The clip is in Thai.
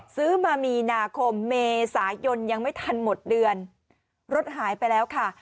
ซื้อมามีนาคมเมษายนยังไม่ทันหมดเดือนรถหายไปแล้วค่ะ